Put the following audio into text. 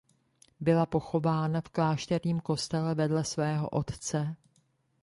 Byla pochována v klášterním kostele vedle svého otce.